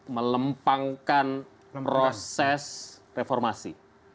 melempangkan proses reformasi